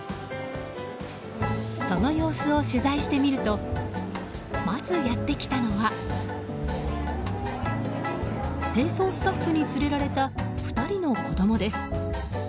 その様子を取材してみるとまずやってきたのは清掃スタッフにつれられた２人の子供です。